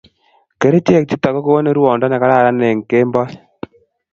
kerchek chiton ko gonin ruondo ne kararan eng kemboi